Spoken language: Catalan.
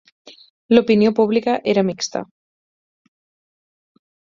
L'opinió pública era mixta.